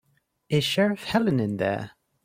Is Sheriff Helen in there?